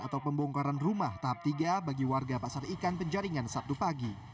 atau pembongkaran rumah tahap tiga bagi warga pasar ikan penjaringan sabtu pagi